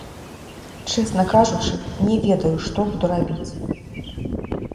Чэсна кажучы, не ведаю, што буду рабіць.